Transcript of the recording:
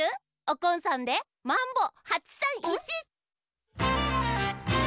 おこんさんで「マンボ８３１」！